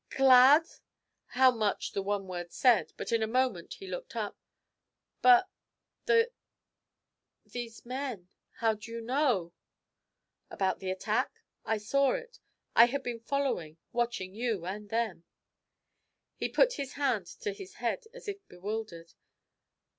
'Glad!' How much the one word said, but in a moment he looked up.' But these men how do you know ' 'About the attack? I saw it. I had been following, watching you and them.' He put his hand to his head as if bewildered.